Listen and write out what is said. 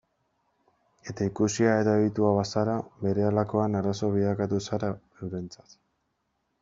Eta ikusia edo aditua bazara, berehalakoan arazo bilakatuko zara eurentzat.